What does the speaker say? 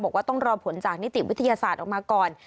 บอกว่าต้องรอผลจากนิติวิทยาศาสตร์ออกมาก่อน